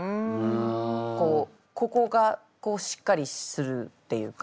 こうここがしっかりするっていうか。